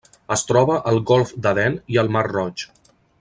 Es troba al Golf d'Aden i al Mar Roig.